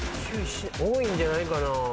多いんじゃないかな。